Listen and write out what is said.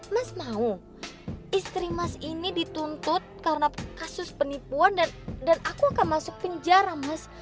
mas mau istri mas ini dituntut karena kasus penipuan dan aku akan masuk penjara mas